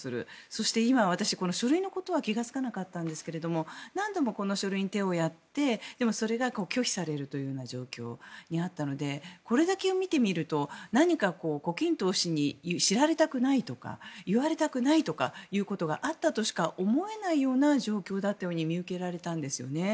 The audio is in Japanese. そして、私は書類のことは気がつかなかったんですが何度もこの書類に手をやってそれが拒否されるというような状況にあったのでこれだけ見てみると何か胡錦涛氏に知られたくないとかいわれたくないということがあったとしか思えないような状況だと思うんですね。